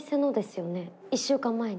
１週間前に。